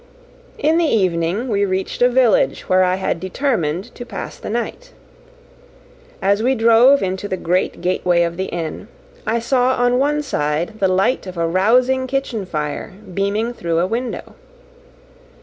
In the evening we reached a village where I had determined to pass the night. As we drove into the great gateway of the inn, I saw on one side the light of a rousing kitchen fire beaming through a window.